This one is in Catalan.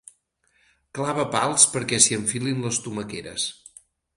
Clava pals perquè s'hi enfilin les tomaqueres.